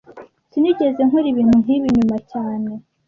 Sinigeze nkora ibintu nkibi nyuma cyane